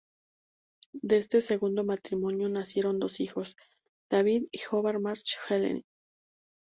De este segundo matrimonio nacieron dos hijos, David y Hobart March Henley.